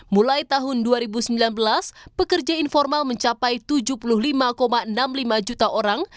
mulai tahun dua ribu sembilan belas pekerja informal mencapai tujuh puluh lima enam puluh lima juta orang